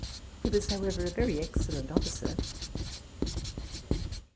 He was, however, a very excellent officer.